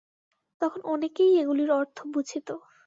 তখন অনেকেই এগুলির অর্থ বুঝিত।